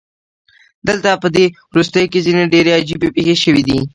دلته پدې وروستیو کې ځینې ډیرې عجیبې پیښې شوې دي